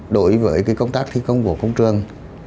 đối với công tác thi công của công trường